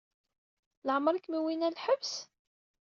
Leɛmeṛ i kem-wwin ɣer lḥebs?